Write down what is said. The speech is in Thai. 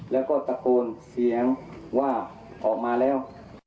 แล้วก็ตะโกนเสียงว่าออกมาแล้ว